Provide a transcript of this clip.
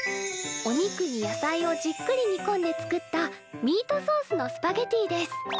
お肉に野菜をじっくり煮込んで作ったミートソースのスパゲティです。